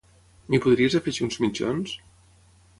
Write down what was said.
M'hi podries afegir uns mitjons?